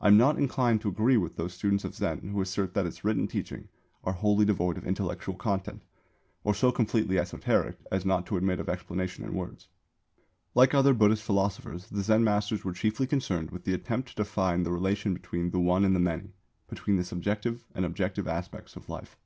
I am not inclined to agree with those students of Zen who assert that its written teaching are wholly devoid of intellectual content or so completely esoteric as not to admit of explanation in words. Like other Buddhist philosophers the Zen masters were chiefly concerned with the attempt to define the relation between the One and the Many, between the subjective and objective aspects of life.